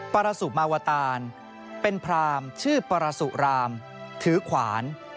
ปรสุมาวตารเป็นพรามชื่อปรสุรามถือขวาน